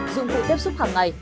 dụng cụ tiếp xúc hàng ngày